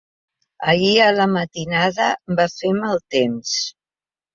Ahir a la matinada va fer mal temps.